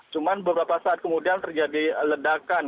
cuma beberapa saat kemudian terjadi ledakan